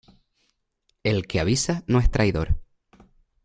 El que avisa no es traidor.